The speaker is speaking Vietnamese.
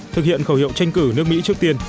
trong năm cầm quyền đầu tiên